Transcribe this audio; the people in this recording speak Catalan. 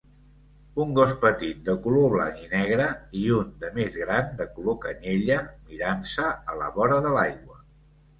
Un gos petit de color blanc i negre i un de més gran de color canyella mirant-se a la vora de l'aigua